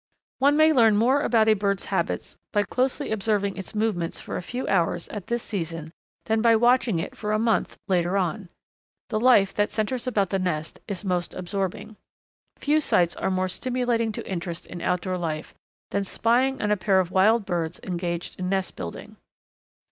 One may learn more about a bird's habits by closely observing its movements for a few hours at this season than by watching it for a month later on. The life that centres about the nest is most absorbing. Few sights are more stimulating to interest in outdoor life than spying on a pair of wild birds engaged in nest building.